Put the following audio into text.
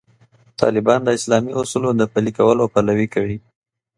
طالبان د اسلامي اصولو د پلي کولو پلوي کوي.